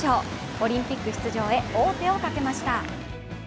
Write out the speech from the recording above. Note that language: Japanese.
オリンピック出場へ王手をかけました。